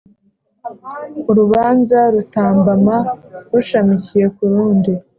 Urubanza rutambama rushamikiye ku rundi